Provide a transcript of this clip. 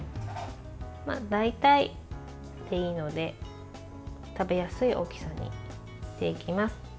大体でいいので食べやすい大きさに切っていきます。